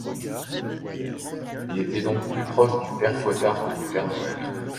Il était donc plus proche du père Fouettard que du père Noël.